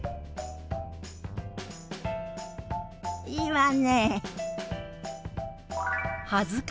いいわね。